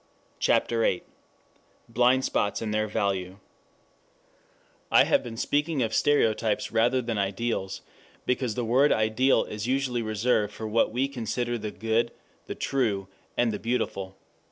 CHAPTER VIII BLIND SPOTS AND THEIR VALUE 1 I HAVE been speaking of stereotypes rather than ideals, because the word ideal is usually reserved for what we consider the good, the true and the beautiful.